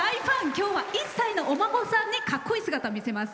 今日は１歳のお孫さんにかっこいい姿見せます。